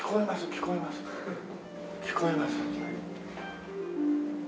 聞こえます。